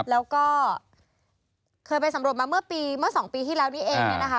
แล้วก็เคยไปสำรวจมาเมื่อ๒ปีที่แล้วนี้เองเนี่ยนะคะ